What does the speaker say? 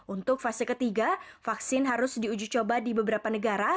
untuk fase ketiga vaksin harus diuji coba di beberapa negara